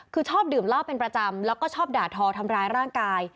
คือชอบดื่มเหล้าเป็นประจำแล้วก็ชอบด่าทอทำร้ายร่างกาย